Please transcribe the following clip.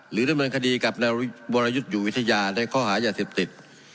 หรือเรื่องบนคดีกับระยุดอยู่วิทยาก็ห้าอย่างเสมหนิต